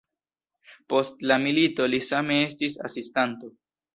Post la milito li same estis asistanto.